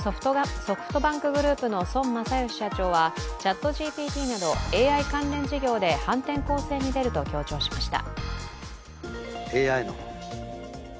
ソフトバンクグループの孫正義社長はＣｈａｔＧＰＴなど、ＡＩ関連事業で反転攻勢に出ると強調しました。